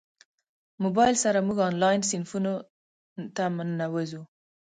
موبایل سره موږ انلاین صنفونو ته ننوځو.